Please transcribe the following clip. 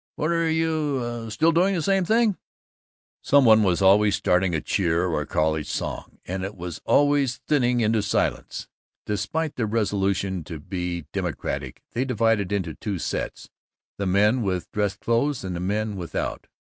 What are you Still doing the same thing?" Some one was always starting a cheer or a college song, and it was always thinning into silence. Despite their resolution to be democratic they divided into two sets: the men with dress clothes and the men without.